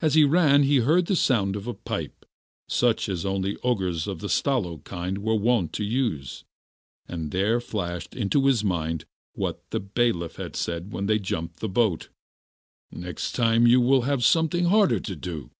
As he ran he heard the sound of a pipe, such as only ogres of the Stalo kind were wont to use; and there flashed into his mind what the bailiff had said when they jumped the boat: 'Next time you will have something harder to do.